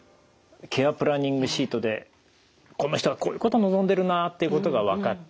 ケア・プランニングシートでこの人はこういうこと望んでるなっていうことが分かった。